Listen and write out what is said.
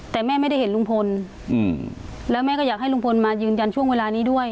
แต่แม่ไม่ได้เห็นลุงพลแล้วแม่ก็อยากให้ลุงพลมายืนยันช่วงเวลานี้ด้วย